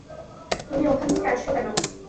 তুমি ওখান থেকে আসছো কেন?